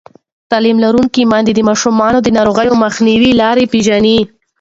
تعلیم لرونکې میندې د ماشومانو د ناروغۍ مخنیوي لارې پېژني.